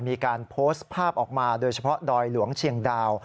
มีการโพสต์ภาพออกมาโดยเฉพาะดอยหลวงเชียงดาว